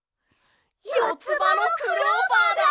よつばのクローバーだ！